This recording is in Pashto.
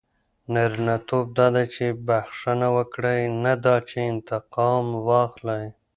نارینه توب دا دئ، چي بخښنه وکړئ؛ نه دا چي انتقام واخلى.